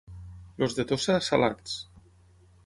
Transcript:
Els de Tossa, salats.